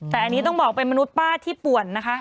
แต่อันนี้ต้องบอกเป็นมนุษย์ป้าที่ป่วนนะคะ